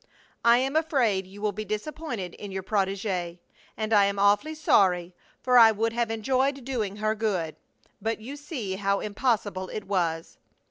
I am afraid you will be disappointed in your protegée, and I am awfully sorry, for I would have enjoyed doing her good; but you see how impossible it was.